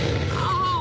もう。